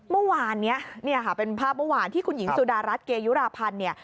เมื่อวานนี้เป็นภาพเมื่อวานที่คุณหญิงสุดารัฐเกยุราพันธ์